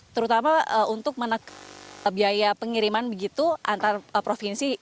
terutama untuk menekan biaya pengiriman begitu antar provinsi